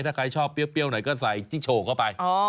ถ้าใครชอบเปรี้ยวหน่อยก็ใส่ที่โชว์เข้าไป